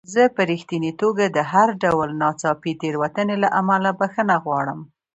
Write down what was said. زه په رښتینې توګه د هر ډول ناڅاپي تېروتنې له امله بخښنه غواړم.